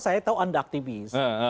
saya tahu anda aktivis